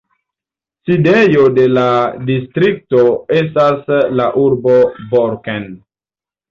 Sidejo de la distrikto estas la urbo Borken.